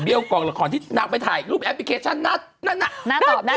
เรียกกองละครที่นางไปถ่ายรูปแอปพลิเคชันน่าตอบ